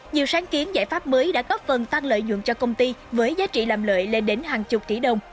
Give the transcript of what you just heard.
nhiều sáng kiến giải pháp mới đã góp phần tăng lợi dụng cho công ty với giá trị làm lợi lên đến hàng chục tỷ đồng